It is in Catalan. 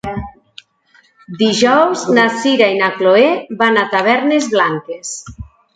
Dijous na Sira i na Chloé van a Tavernes Blanques.